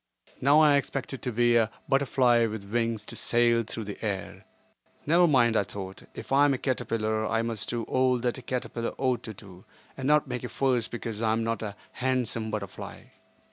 Now I expected to be a butterfly with wings to sail through the air. Never mind, I thought, if I am a caterpillar I must do all that a caterpillar ought to do, and not make a fuss because I am not a handsome butterfly.